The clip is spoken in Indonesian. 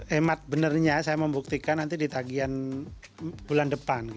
hemat benarnya saya membuktikan nanti di tagihan bulan depan